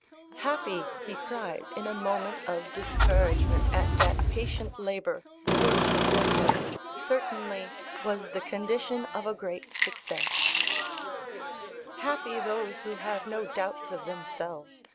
"Happy," he cries, in a moment of discouragement at that patient labour, which for him, certainly, was the condition of a great success Happy those who have no doubts of themselves!